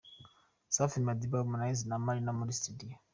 Safi Madiba, Harmonize na Marina muri studio.